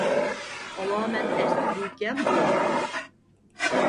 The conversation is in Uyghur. ئالامەت ئەسكى گۇيكەن بۇ.